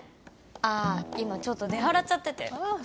ああ今ちょっと出払っちゃっててああ